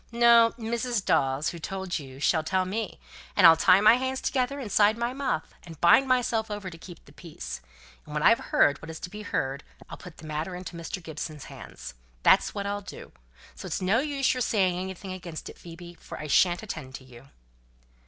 No; Mrs. Dawes, who told you, shall tell me, and I'll tie my hands together inside my muff, and bind myself over to keep the peace. And when I've heard what is to be heard, I'll put the matter into Mr. Gibson's hands. That's what I'll do. So it's no use your saying anything against it, Phoebe, for I shan't attend to you."